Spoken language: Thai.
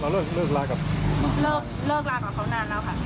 เราเริ่มเลิกลากับเลิกลากับเขานานแล้วค่ะ